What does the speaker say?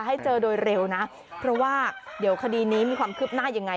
ให้เจอโดยเร็วนะเพราะว่าเดี๋ยวคดีนี้มีความคืบหน้ายังไง